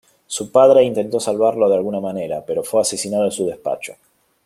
Su padre intentó salvarlo de alguna manera, pero fue asesinado en su despacho.